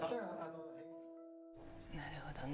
なるほどね。